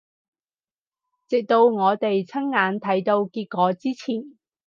直到我哋親眼睇到結果之前